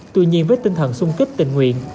tuy nhiên với tinh thần sung kích tình nguyện